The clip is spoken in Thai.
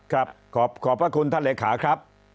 ครับครับขอบคุณท่านเหลขาครับ